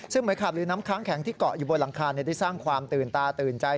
ซึ่งน้ำค้างแข็งที่เกาะอยู่บนหลังคาได้สร้างความตื่นตาตื่นใจ